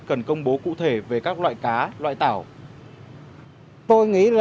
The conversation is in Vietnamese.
cần công bố cụ thể về các loại cá loại tảo